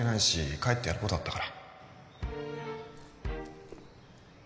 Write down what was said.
帰ってやることあったから